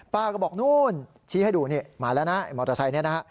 ป้าก็บอกนู่นชี้ให้ดูนี่มาแล้วนะมอเตอร์ไซค์นี้นะฮะ